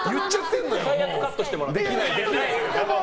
最悪カットしてもらって。